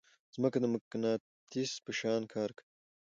ځمکه د مقناطیس په شان کار کوي.